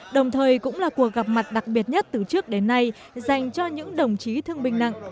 đồng thời cũng là cuộc gặp mặt đặc biệt nhất từ trước đến nay dành cho những đồng chí thương binh nặng